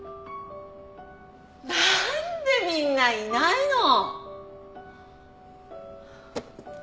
なんでみんないないの？